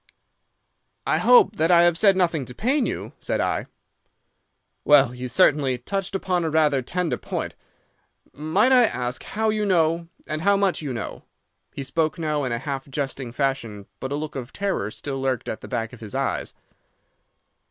"'I hope that I have said nothing to pain you?' said I. "'Well, you certainly touched upon rather a tender point. Might I ask how you know, and how much you know?' He spoke now in a half jesting fashion, but a look of terror still lurked at the back of his eyes.